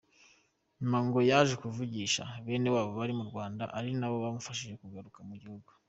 Nyuma ngo yaje kuvugisha benewabo bari mu Rwanda ari nabo bamufashije kugaruka mu gihugu.